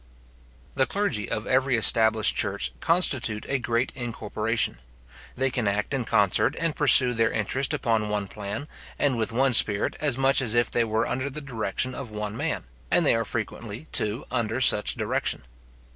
The clergy of every established church constitute a great incorporation. They can act in concert, and pursue their interest upon one plan, and with one spirit as much as if they were under the direction of one man; and they are frequently, too, under such direction.